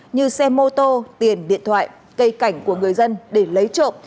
như xe mô tô tiền điện thoại cây cảnh của người dân để lấy trộm